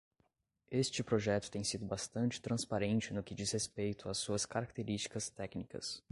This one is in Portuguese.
Este projeto tem sido bastante transparente no que diz respeito às suas características técnicas.